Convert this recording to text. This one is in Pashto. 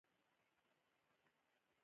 ورږۀ د پښتنو دوديز خواړۀ دي